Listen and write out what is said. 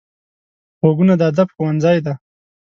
غوږونه د ادب ښوونځی دي